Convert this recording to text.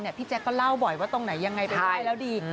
พี่แจ๊คก็เล่าบ่อยว่าตรงไหนยังไงไปไหว้แล้วดี